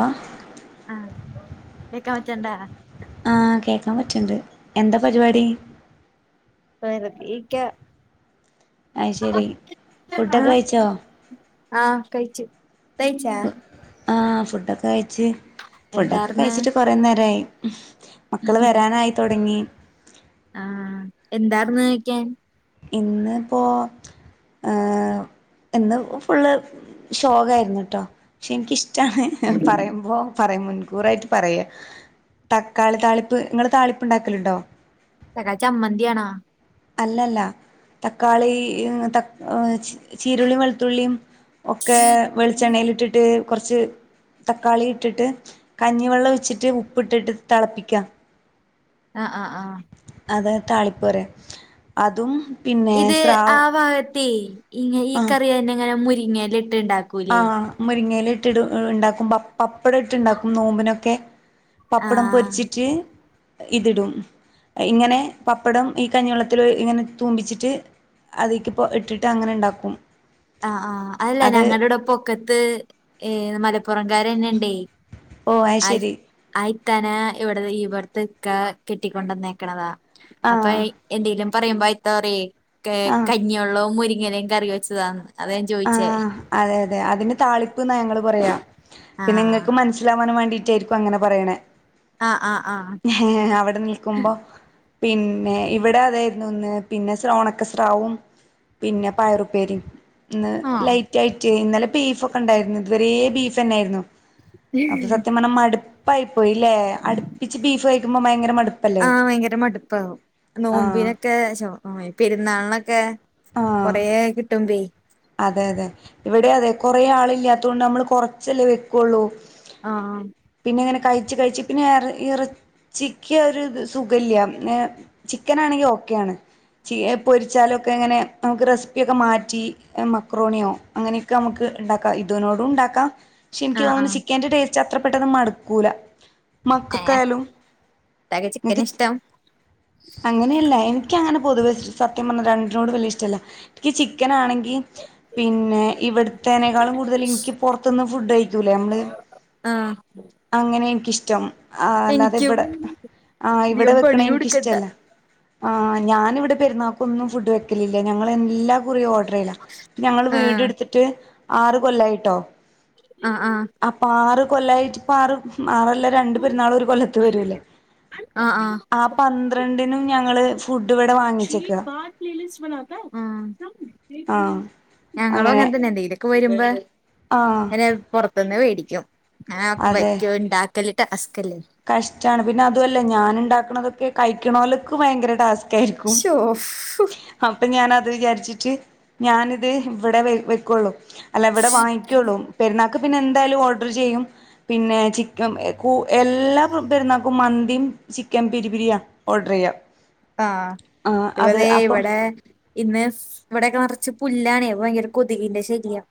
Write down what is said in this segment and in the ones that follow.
ആഹ് ആഹ് കേക്കാൻ പറ്റണ്ടാ ആ കേക്കാൻ പറ്റ്ണ്ട് എന്താ പര് വാ ടി വെറുതെക്ക അത് ശരി [unintelligible] ഫുഡൊക്കെ [unintelligible] കഴിച്ചോ ആ കയ്ച്ച് കയ്ച്ചാ ആ ഫുഡൊക്കെ കഴിച്ച് ഫുഡൊക്കെ എന്താർന്ന് കഴിച്ചിട്ട് കൊറെ നേരായി മക്കള് വരാനായി തൊടങ്ങി ആ എന്താർന്ന് കഴിക്കാൻ ഇന്ന് ഇപ്പോ ഇന്ന് ഫുള്ള് ഷോഗ ആയിരുന്നു ട്ടോ പക്ഷെ എനിക്കിഷ് പറയുമ്പോ പറയും മുൻകൂറായിട്ട് പറയ തക്കാളി താളിപ്പ് ഇങ്ങൾ താളിപ്പ് ഉണ്ടാക്കലുണ്ടോ സദാ ചമ്മന്തി ആണോ അല്ലല്ല തക്കാളി ത ചീരുള്ളി വെളുത്തുള്ളീം ഒക്കെ വെളിച്ചെണ്ണയിലിട്ടിട്ട് കൊറച്ച് തക്കാളി ഇട്ടിട്ട് കഞ്ഞിവെള്ളം ഒയ്ച്ചിട്ട് ഉപ്പിട്ടിട്ട് തിളപ്പിക്ക അ അ ആ അതാ താളിപ്പറിണ് അതും പിന്നെ ഇത് ആ സ്രാവ് ഭാഗത്തേ ഇങ്ങ ആ ഈകറിയനെ ഇങ്ങനെ മുരിങ്ങെല ആ മുരിങ്ങയില ഇട്ട് ട് ഇണ്ടാക്കും പപ്പടം ഇട്ട്ണ്ടാക്കും നോമ്പിനൊക്കെ പപ്പടം ആഹ് പൊരിച്ചിറ്റ് ഇതിടും ഇങ്ങനെ പപ്പടം ഈ കഞ്ഞിവെള്ളത്തിലൊയ്‌ ഇങ്ങനെ തൂമ്പിച്ചിട്ട് അതിക്കിപ്പോ ഇട്ടിട്ട് അങ്ങനെ ഇണ്ടാക്കും ആ ആ അതല്ല ഞങ്ങടൂടെ പൊക്കത്ത് ഏ മലപ്പുറംകാരെന്നെണ്ടേ ഓ അത് ശരി ത്തനാ ഇവട്ത്തെക്ക കെട്ടിക്കൊണ്ടന്നേക്കണതാ അപ്പൊ ആഹ് എന്തേലും പറയുമ്പോ ഇത്ത പറയും ആഹ് കഞ്ഞിവെള്ളവും മുരിങ്ങിലയും കറി വെച്ചതാന്ന് അതാ ഞാൻ ചോയിച്ചേ ആഹ് അതെ അതിന് താളിപ്പ്ന്നാ ഞങ്ങള് പറയാ പിന്നെ ആഹ് ഇങ്ങക്ക് മനസ്സിലാവാൻ വേണ്ടീട്ടേര്ക്കും അങ്ങനെ പറണെ ആഹ് ആഹ് ആഹ് അവിടെ നിൽക്കുമ്പോ പിന്നെ ഇവിടെ അതായിരുന്നു ഇന്ന് പിന്നെ ഒണക്കസ്രാവും പിന്നെ പയറുപ്പേരിം ഇന്ന് ആഹ് ലൈറ്റ് ആയിട്ട് ഇന്നലെ ബീഫ് ഒക്കെ ഉണ്ടായിരുന്നു ഇതുവരേ ബീഫെന്നായിരുന്നു അപ്പൊ സത്യം പറഞ്ഞാ മടുപ്പായി പോയില്ലേ അടുപ്പിച്ച് ബീഫ് കഴിക്കുമ്പോ ഭയങ്കര മടുപ്പല്ലേ ആഹ് ഭയങ്കര മടുപ്പാവും ആഹ് നോമ്പിനൊക്കെ ചോന്നുള്ളി പെരുന്നാൾനൊക്കെ ആഹ് കൊറേകിട്ടുമ്പേ അതെ അതെ ഇവിടെ അതെ കൊറേ ആളില്ലാതോണ്ട് നമ്മൾ കൊറച്ചല്ലേ വെക്കുള്ളൂ ആ പിനിങ്ങനെ കയ്ച്ച് കയ്ച്ച് പിന്നെ യാറ് ഇറ ചിക്കി ഒരു ത് സുഖല്ല ഏ ചിക്കനാണെങ്കി ഓക്കേണ് ചി എ പൊരിച്ചാലൊക്കെങ്ങനെ നമുക്ക് റെസിപ്പിയൊക്കെ മാറ്റി എ മക്രോണിയാകും അങ്ങനെക്കെ നമുക്ക് ണ്ടാക്കാം ഇതിനോടുംണ്ടാക്കാം പക്ഷെ ഇന്ക്ക് ആഹ് തോന്ന്ണു ആഹ് ചിക്കന്റെ ടേസ്റ്റ് ച്ച അത്രപ്പെട്ടന്ന് മടുക്കൂല ഏഹ് മക്കക്കായാലും ഇത്താക്ക് ചിക്കൻ [unintelligible] ഇഷ്ടം അങ്ങനെയല്ല എൻ ഇൻക്ക് അങ്ങനെ പൊതുവെ സത്യം പറഞാൽ രണ്ടിനോടും വല്യയ ഇഷ്ടല്ല ഇൻക്ക് ചിക്കനാണെങ്കി പിന്നെ ഇവിട്ത്തേനേക്കാളും കൂടുതല് ഇൻക്ക് പൊർത്ത്ന്ന് ഫുഡയ്ക്കൂലേമ്മള് ആ അങ്ങനെ എനിക്കിഷ് ആ അല്ലാതെ എനിക്കും ഇവടെ ആ ഇവടെ അധികം വെക്കണ പണി കൊടുക്കണ്ട എനിക്കിഷ്ടല്ല ആ ഞാനിവിടെ പെരുന്നാക്കൊന്നും ഫുഡ് വെക്കലില്ല ഞങ്ങൾ എല്ലാ കുറിം ഓഡർ ചെയ്യലാ ഞങ്ങൾ വീട് ആഹ് എടുത്തിട്ട് ആറ് കൊല്ലായിട്ടോ ആഹ് ആഹ് അപ്പൊ ആറ് [unintelligible] ആറല്ല രണ്ട് പെരുന്നാൾ ഒരു കൊല്ലത്ത് വരൂല്ലേ ആഹ് ആഹ് ആ പന്ത്രണ്ട്. നും ഞങ്ങള്ൾ. [unintelligible] ആഹ് ഞങ്ങളും അങ്ങനെ തന്നെ എന്തെങ്കിലൊക്കെ വരുമ്പോ ആഹ് ഇങ്ങനെ പുറത്തുന്ന് മേടിക്കും. അതെ [unintelligible] കഷ്ടാണ് പിന്നെ അതുല്ല ഞാൻ ഉണ്ടാക്കണതൊക്കെ കഴിക്കണോ ല്ക്ക് ഭയങ്കര ടാസ്ക്. കഴിക്കും ശോ അപ്പ ഞാനാ അത് വിചാരിച്ചിട്ട് ഞാനിത് ഇവിടെ വെക്കുള്ളൂ അല്ല ഇവിടെ വാങ്ങിക്കുള്ളൂ പെരുന്ന ക്ക് പിന്നെ എന്തായാലും ഓർഡർ ചെയ്യും പിന്നെ ചിക്കൻ എല്ലാ പെരുന്നാക്കും മന്തിയും. ചിക്കൻ പിരി പിരിയാ ഓർഡർ ചെയ്യ. ആഹ ഇവര് ഇവിടെ. ഇന്ന് ഇവിടെയൊക്കെ നിറച്ച് പുല്ലാണേ ഭയങ്കര കൊതുകിന്റെ ശല്ല്യം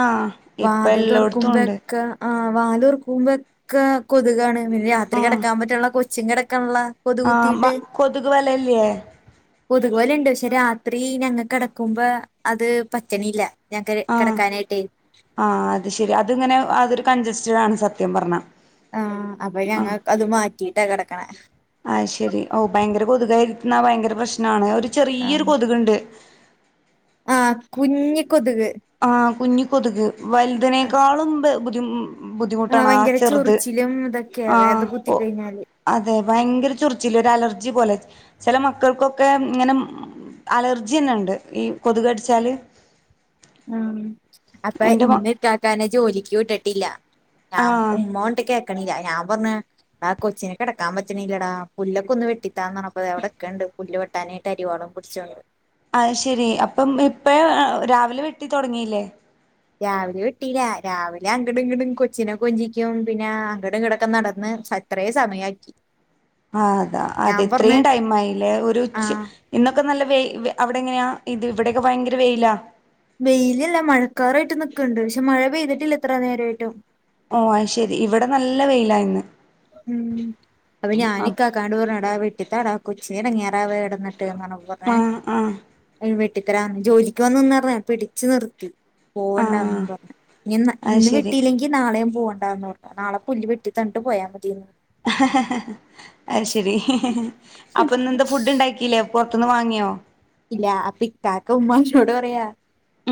ആഹ് ഇപ്പ വാതിൽ എല്ലോടത്തും ഉണ്ട് തുറക്കുമ്പോക്കെ. ആ വാല് തൊർക്കുമ്പൊക്ക കൊതുകാണ് പിന്നെ രാത്രി കിടക്കാൻ പറ്റുള്ള കൊച്ചു കെടക്ക് നില്ല. ആഹ കൊതുക് വലല്യേ കൊതുക് വലണ്ട് പക്ഷെ രാത്രി ഞങ്ങ കിടക്കുമ്പോ അത് പറ്റണില്ല. ഞങ്ങക്ക് ആഹ കിടക്കാനായിട്ടേ ആ അത് ശരി അതിങ്ങനെ അതൊരു കഞ്ചസ്റ്റ ആണ് സത്യം പറഞ്ഞ. ആഹ അപ്പൊ ഞങ്ങ അത് മാറ്റിട്ടാ കിടക്കണെ. ആഹ് ശെരി ഓ ഭയങ്കര കൊതുക്യിരിക്കുന്നാ ഭയങ്കര പ്രശ്നമാണ് ഒരു ചെറിയൊരു കൊതുക് ഉണ്ട്. ആഹ കുഞ്ഞ് കൊതുക്. ആ കുഞ്ഞ് കൊതുക് വലുതതിനേക്കാളും ബുദ്ധി ബുദ്ധിമുട്ടാണ് ആ ഭയങ്കര ചെറുത് ചൊറിച്ചിലും ഇതൊക്കെയാ ആഹ അത് ഓ കുത്തിക്കഴിഞ്ഞാല് അതെ ഭയങ്കര ചൊറി ച്ചില ഒരു അലർജി പോലെ ചില മക്കൾക്കൊക്കെ ഇങ്ങനെ. അലർജി ന്നെണ്ട് ഈ കൊതക്ടിച്ചാല്. ഉ അപ്പ ഇന്ന് കാക്കാന ജോലിക്ക് വിട്ടിട്ടില്ല. ഞാൻ ആഹ് ഉമ്മോണ്ടൊക്കെ. ക്കണ ഞാൻ പറഞ്ഞ ആ കൊച്ചിന കിടക്കാൻ പറ്റണീല്ലടാ പുല്ലൊക്കെ ഒന്ന് വെട്ടിത്താ ന് പറഞ്ഞപ്പിവിടെ നി പുല്ല് വെട്ടാനായിട്ട് അരിവാളും പിടിച്ചോണ്ട്. അത് ശെരി അപ്പം ഇപ്പ രാവിലെ വെട്ടി തൊടങ്ങില്ലേ? രാവിലെ വെട്ടില രാവിലെ അങ്ങട്ടും ഇങ്ങട്ടും കൊച്ചിനൊക്കെ കൊഞ്ചിക്കും പിന്നെ അങ്ങട്ടും ഇങ്ങടൊക്കെ നടന്ന്. അത്രയേ സമയാക്കി. ആ അതാ അതെ ഞാൻ പറഞ്ഞ് ഇത്രയും ടൈം ആയില്ലേ ഒരു ആ ഉച്ച ഇന്നൊക്കെ നല്ല വെയിൽ അവിടെ എങ്ങനെയാ ഇത് ഇവിടെയൊക്കെ ഭയങ്കര വെയിലാ. വെയിലല്ല മഴക്കാറായിട്ട് നിക്ക്ണ്ട് പക്ഷെ മഴ പെയ്തിട്ടില്ല ഇത്ര നേരമായിട്ടും. ഓ അത് ശരി ഇവിടെ നല്ല വെയില ഇന്ന്. ഉം അപ്പൊ ആ ഞാനി കാക്കാണ്ടൂപറഞ്ഞു ടാ വെട്ടി താടാ കൊച്ചിന് ഇടങ്ങിയറ ആവേടെന്ന് പറഞ്ഞ പറഞ്ഞെ ആ ആ അ വെട്ടിത്തര ജോലിക്ക് പോവാൻ നിന്ന പിടിച്ചു നിർത്തി. ആ പോവണ്ടന്ന് പറഞ്ഞ ഇനി എന്ന അത് ഇന്ന് ശരി വിട്ടില്ലെങ്കി നാളേം പോവണ്ടന്ന് പറഞ്ഞു നാളെ പുല് വെട്ടി തന്ന്ട്ട് പോയാ മതിഎന്ന് അയ് ശരി അപ്പൊന്നന്താ ഫുഡ് ഉണ്ടാക്കില്ലേ അപ്പൊ ത്ത്ന്ന് വാങ്ങിയോ ഇല്ല അപ്പിക്കാക്ക ഉമ്മന്നോട് പറയാ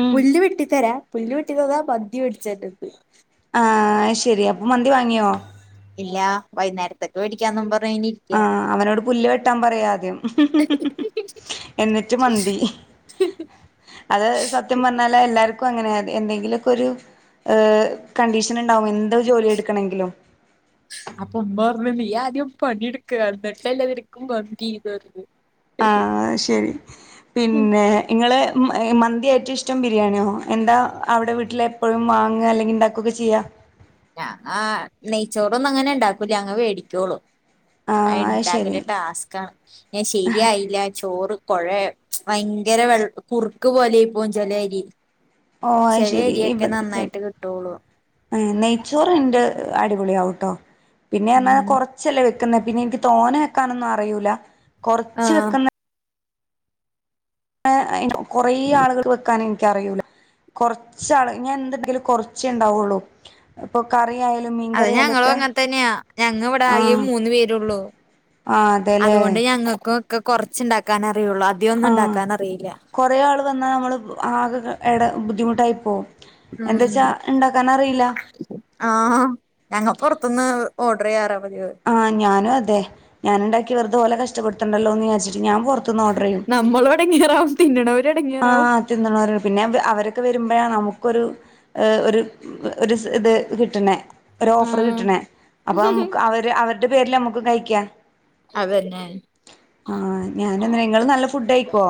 ഉം പുല്ല് വെട്ടിത്തരാ പുല് വെട്ടിതന്ന മന്തി മെടിച്ചേരന്ന് ആഹ് അയ് ശരിയ ഇല്ല വൈന്നേരത്തെക്ക് മേടിക്കാന്നുപാ ആഹ അവനോട് പുല്ല് വെട്ടാൻ പറയാദ്യം എന്നിട്ട് മന്തി അത് സത്യം പറഞ്ഞാല എല്ലാർക്കും അങ്ങനെ എന്തെങ്കിലുമൊക്കെ ഒരു ഏ കണ്ടീഷൻ ഉണ്ടാവും എന്തോ ജോലി എടുക്കണെങ്കിലും അപ്പൊ ഉമ്മ പറഞ്ഞ് നീ ആദ്യം പണിഎടുക്ക് വന്നിട്ടല്ലേ നിനക്ക് മന്തിന്ന്. ആ ശരി. പിന്നെ ഇങ്ങള് മന്തി ഏറ്റവും ഇഷ്ടം ബിരിയാണിയോ, എന്താ അവിടെ വീട്ടിൽ എപ്പോഴും വാങ്ങുക അല്ലെങ്കിൽ ഇണ്ടാക്കുകൊക്കെ ചെയ്യാ. ഞങ്ങ നെയ്ച്ചോറോന്നും അങ്ങനെ ഇണ്ടാക്കൂല, ഞങ്ങ വേടികയൊള്ളു ആഹ് അയ് അത് ശരി ഇണ്ടാക്കല് ടാസ്‌ക്കാണ് ശരിയായില്ല ചോറ് കുഴയ ഭയങ്കര വെള്ളം കുറുക്ക് പോലെആയിപോവും ചെലേരി ഓ അത് ചേലെ ശരി അരിയൊക്കെ നന്നായിട്ട് കിട്ടുള്ളൂ നെയ്ച്ചോറിന്റെ അടിപൊളി ആവുട്ടോ പിന്നെ പറഞ്ഞ ഉം കുറച്ചല്ലേ വെക്കുള്ളു ക്ക പിന്നെ എനിക്ക് തോന വെക്കാനൊന്നും അറിയൂല കൊറച്ച് ആഹ് വെക്കുന്ന [unintelligible] കൊറേ ആളുകള് വെക്കാന ഇനിക്കറിയൂല കൊറച്ചാള് ഞാന് എന്ത്ണ്ടെങ്കിലും കുറച്ചേ ഇണ്ടാകുള്ളൂ അത് ഞങ്ങളും അങ്ങൻ തന്നെയാ ഞങ്ങ ഇവിടെ ആകേ ആഹ് മൂന്ന് പേരുള്ളു ആഹ് അതെല്ലേ അതുകൊണ്ട് ഞങ്ങൾക്കും ഒക്കെ കൊറച്ചുണ്ടാക്കാനാ ആ കൊറേ ആള് വന്നാ നമ്മള് ആകെ എട ബുദ്ധിമുട്ടായി പോകും ഉം എന്താച്ചാ ഇണ്ടാക്കാൻ അറിയില്ല ആഹ് ഞങ്ങ പൊറത്ത്ന്ന് ഓർഡർ ചെയ്യാറാ പതിവ് ആഹ് ഞാനും അതെ ഞാൻണ്ടാക്കി വെറുതുഓലെ കഷ്ടപ്പെടുത്തണ്ടല്ലോ എന്ന് വിചാരിച് നമ്മളോടെങ്ങനറാവ തിന്ന്ണത് ആഹ് തിന്നാരോരുണ്ട് പിന്നെ അവരൊക്കെ വരുമ്പോഴാ നമുക്ക് ഒരു അഹ് ഒരു ഒരു ഇത് കിട്ടണേ ഒരു ഓഫർ ആഹ് കിട്ടാണേ അപ്പൊ നമുക്ക് അവര് അവരുടെ പേരില് നമ്മുക്കും കഴിക്കാ അതന്നെ ആഹ് ഞാനും അങ്ങനെ നിങ്ങള് നല്ല ഫുഡ് ആയിക്കുവോ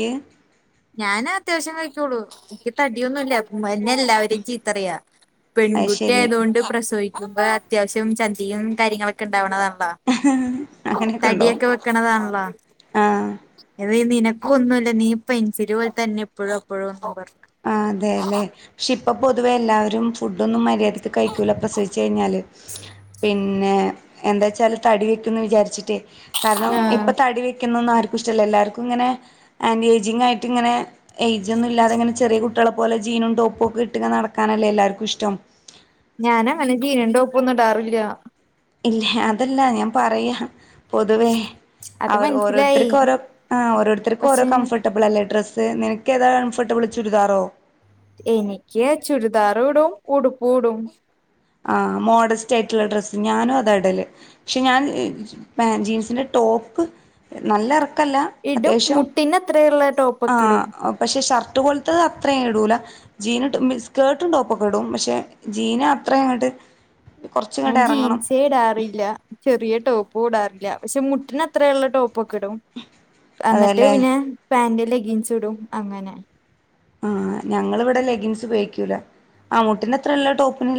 ഈയ്യ് ഞാന് അത്യാവശ്യം കഴിക്കുള്ളൂ എനിക്ക് തടിയൊന്നും ഇല്ല ഇന്നെ എല്ലാരും ചീത്ത പറയാ പെൺകുട്ടി അയ്ശരി ആയതൊണ്ട് പ്രസവിക്ക ക്കുമ്പ അത്യാവശ്യം ചന്തിയും കാര്യങ്ങളൊക്കെണ്ടാവുന്നതാണ് ആഹ് തടിയൊക്കെ വെക്കണതാണല്ലോ ആഹ് അ നിനക്കൊ ഒന്നുല്ല്യ നീ ഇപ്പഴും പെൻസിലി പോലെ തന്നെ എപ്പോഴും അപ്പോഴും പറഞ്ഞു ആഹ് അതെല്ലെ പക്ഷെ ഇപ്പൊ പൊതുവെ എല്ലാവരും ഫുഡൊന്നും മര്യാദയ്ക്ക് കഴിക്കൂല പ്രസവിച്ച് കഴിഞ്ഞാല് പിന്നെ പിന്നെ എന്താച്ചാൽ തടി വെക്ക്ന്ന് വിചാരിച്ചിട്ട് കാരണം ആഹ് ഇപ്പ തടി വെക്ക ക്ക്ന്നൊന്നും ആർക്കും ഇഷ്ട്ടല്ല എല്ലാവർക്കും ഇങ്ങനെ ആന്റി ഏജിങ് ആയിട്ട് ഇങ്ങനെ യേജ് ഒന്നും ഇല്ലാതെ കുട്ടളെ പോലെ ജീനും ടോപ്പും ഒക്കെ ഇട്ട നടക്കാനല്ലേ എല്ലർക്കും ഇഷ്ടം ഞാനങ്ങനെ ജീനും ടോപ്പൊന്നും ഇടാറില്യാ ഇല്ലേ അതല്ലാ ഞാൻ പറയാ പൊതുവേ അത് അവർ മനസ്സിലായി ഓരോരുത്തർക്കും ഓരോ ഓരോരുത്തർക്കും ഓരോ പക്ഷെ കംഫോർട്ടബിൾ അല്ലേ ഡ്രസ്സ് നിനക്കെന്താ കംഫേർട്ടബിള് ചുരിതാറോ എനിക്ക് ചുരിദാറും ഇടും ഉടുപ്പും ഇടും ആ മോഡസ്റ്റ് ആയിട്ടുള്ള ഡ്രസ്സ് ഞാനും അതടല് പക്ഷെ ഞാൻ ജീൻസിന്റെ ടോപ്പ് ടോപ്പ് നല്ല എറക്കം അല്ല ഇടും അത്യാവശ്യം മുട്ടിനത്രയുള്ള ആ ടോപ്പൊക്കെ ഇടും പക്ഷെ ഷർട്ട് ഷർട്ട് പോലെത്തെ അത്രേ ഇടൂല്ല ജീൻ സ്കേർട്ടും ടോപ്പൊക്കെ ഇടും പക്ഷെ ജീനാ അത്രയങ്ങട് ഞാൻ ജീൻസേ ഇടാറില്ല ചെറിയ ടോപ്പും ഇടാറില്ല പക്ഷെ മുട്ടിന് അത്രള്ള ടോപ്പ് ടോപ്പൊക്കെ ഇടും അന്നിട്ട് അതെല്ലേ പിന്നെ പാന്റ് ലെഗീൻസ് ഇടും അങ്ങനെ ആഹ് ഞങ്ങളിവിടെ ലെഗിൻസ് ഉപയോഗിക്കൂല ആ മുട്ടിനത്രെള്ള ടോപ്പിനി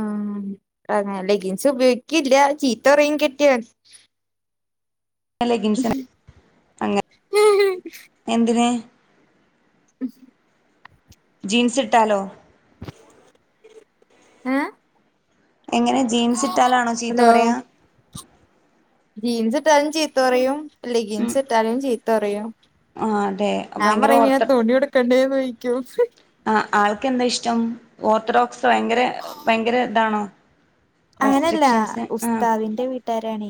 ആഹ് അങ്ങനെ ലെഗിൻസ് ഉപയോഗിക്കില്ല ചീത്തറയും കെട്ടിയോൻ ലെഗിൻസ് അങ്ങെ എന്തിന് [inaudible] ജീൻസ് ഇട്ടാലോ ഏ. എങ്ങനെ ജീൻസിട്ടാലാണോ ചീത്ത പറയാ? ജീൻസിട്ടാലും ചീത്ത പറയും ഉം ലെഗിൻസ് ട്ടാലും ചീത്ത പറയും ആഹ് അതെ ഞാൻ ഭയങ്കര പറിം പിന്നെ ഓർത്ത തുണിട്കണ്ട്യരും നോക്കിക്കോ ആ ആൾക്കെന്താ ഇഷ്ടം ഓർത്തഡോക്സ് ഭയങ്കര ഭയങ്കര താണോ? അങ്ങനല്ല റെസ്ട്രിക്ഷൻസ് ആ ഉസ്താദിന്റെ വീട്ടുകാരാണേ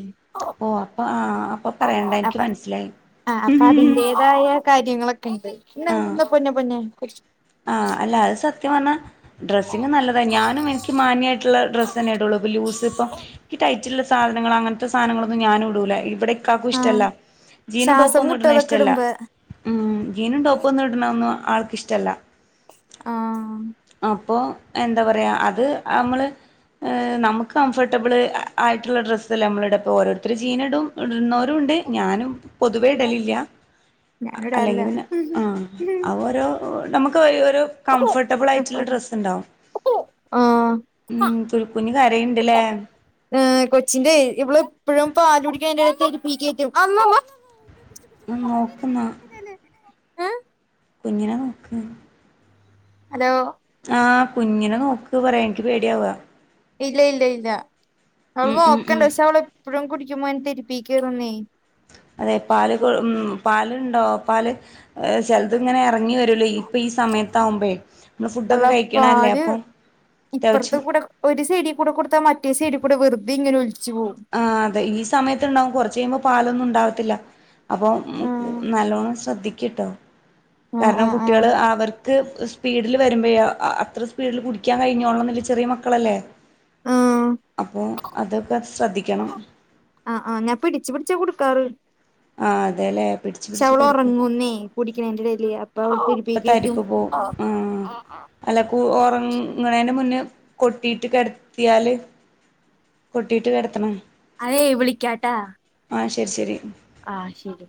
ഓ അപ്പൊ ആ അപ്പൊ പറയണ്ട എനിക് അപ്പൊ മനസ്സിലായി ആ അപ്പൊ അതിന്റേതായ കാര്യങ്ങളൊക്കെ ണ്ട് ന്താ ന്താ പൊന്നെ പൊന്നെ. കുറച്ച് ആഹ അല്ല അത് സത്യം പറഞ്ഞാ. ഡ്രസ്സിങ്ങ് നല്ലത ഞാനും എനിക്ക് മാന്യായിട്ടുള്ള ഡ്രസ്സെന്നെ ഇടുള്ളു പ്പം യൂസ് പ്പം ഇ ടൈ റ്റുള്ള സാധനങ്ങൾ അങ്ങന് ത്തെ സാധനങ്ങളൊന്നും ഞാനും ഇടൂല ഇവിടെ. കാക്കും ഇഷ്ടല്ല ആഹ് ജീനും ടോപ്പും ശ്വാസം ഒന്നും ഇടുണെ മുട്ടതൊക്കെ ഇഷ്ടല്ല. ഇടുമ്പോ ഉം ജീനും ടോപ്പും ന്നും ഇട്ണെ ഒന്നും ആൾക്കിഷ്ടല്ല ആഹ് ആ പ്പൊ എന്താ പറയാ അത് നമ്മള് നമ്മക്ക് കംഫേർട്ടബിള് അ ആയിട്ടുള്ള ഡ്രസ്സല്ലേ നമ്മള് ഇട ഇപ്പോ ഓരോരുത്തർ ജീന് ഇടും ഇടുന്നോരു ണ്ട് ഞാനും. പൊതുവെ ഇടലില്ല്യ അ ഞാനിടാറില്ല അല്ലെങ്കി പിന്നെ ആ അ ഓരോ നമ്മക്ക് ഒരു രു കംഫർട്ടബിളായിട്ടുള്ള ഡ്രസ്ണ്ടാവും. ആഹ് ഉം തുൽക്കുഞ്ഞ് കരയ്ണ്ട് ലെ. പാലൂട്ക്ക്ണീന്റെ ടേൽ തെര്പ്പ് കേറ്റും. ഉം നോക്ക് ന്ന. ഏഹ് കുഞ്ഞിനെ നോക്ക്. ഹലോ ആഹ കുഞ്ഞിനെ നോക്ക് പറയാ എന്ക്ക് പേടിയാവ. ഇല്ല ഇല്ല ഇല്ല അവള് ഉം ഉം ഉം നോക്ണ്ട് പക്ഷെ അവള് എപ്പഴും കുടിക്കുമ്പൊ തെര്പ്പ് കേറുന്നേ. അതെ പാല് കൊ ഉം പാലുണ്ടോ പാല് ചിലത് ങ്ങനെ ഇറങ്ങി വരുലേ ഈ ഇപ്പൊ ഈ സമയത്ത് ആകുമ്പേ നമ്മള് ഫുഡൊക്കെ കഴിക്കണെല്ലെ അപ്പം ഇപ്പറത്ത് അത്യാവശ്യം കൂടെ ഒര് സൈടികൂടെ കൊടുത്താ മറ്റേ സൈടി കൂടെ വെറുതെങ്ങനെ ഒലി ആ അതെ ഈ സമയത്ത് ഇണ്ടാവും കുറച്ച് കയ്യുമ്പോ പാലൊന്നും ഉണ്ടാവത്തില്ല. അപ്പൊ ഉം ഉം ആഹ് നല്ലോണം ശ്രദ്ധിക്കി ട്ടോ. ആഹ് കാരണം ആഹ് കുട്ട്യാള് ആഹ് അവർക്ക് സ് സ്പീഡില് വരുമ്പേ അ അ അത്ര സ്പീഡിൽ കുടിക്കാൻ കഴിഞ്ഞോളണം ന്നില്ല്യ ചെറിയെ മക്കളല്ലേ. അപ്പൊ അതൊക്കെ. ശ്രദ്ധിക്കണം ആഹ ആഹ ഞാൻ പിട്ച്ച് പിടിച്ചാ കൊടുക്കാറ്. ആ അതെ ലെ. ക്ഷെ അവൾ ഉറങ്ങൂന്നേ കുടിക്കണേന്റെടേല് അപ്പ ഇപ്പ തരിപ്പ് പോവും ആ അല്ല കു ഉറങ്ങ ന്റെ മുന്നേ കൊട്ടിട്ട് കിടത്തിയാല് കൊട്ടിട്ട് കിടത്തണം. അതേ വിളിക്കാട്ടോ. ആ ശരി ശരി ആഹ ശരി